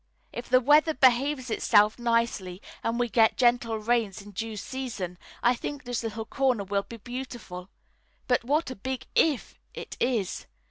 If the weather behaves itself nicely, and we get gentle rains in due season, I think this little corner will be beautiful but what a big "if" it is!